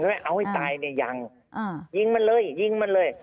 ไม่เอาให้ตายเนี่ยยังยิงมันเลยยิงมันเลย